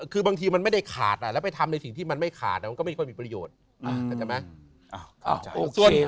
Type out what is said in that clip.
คือบางทีมันไม่ได้ขาดแล้วไปทำในสิ่งที่มันไม่ขาดก็ไม่มีค่อยมีประโยชน์